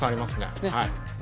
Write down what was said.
はい。